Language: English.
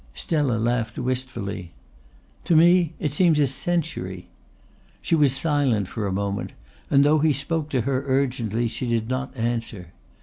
Stella laughed wistfully. "To me it seems a century." She was silent for a moment, and though he spoke to her urgently she did not answer.